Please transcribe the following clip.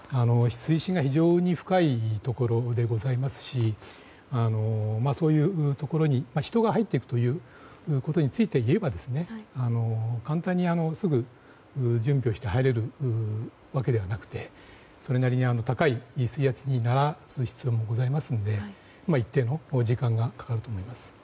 水深が非常に深いところでございますしそういうところに人が入っていくことについていえば簡単に、すぐに準備をして入れるわけではなくてそれなりに高い水圧に慣らす必要もございますので一定の時間がかかると思います。